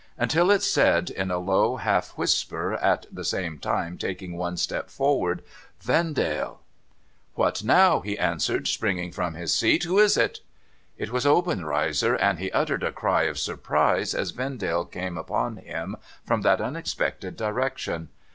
Until it said, in a low^ half whisper, at the same time taking one step forward :' Vendale !'' W^hat now ?' he answered, springing from his seat ;' who is it ?' It was Obenreizer, and he uttered a cry of surprise as Vendale came upon him from that unexpected direction.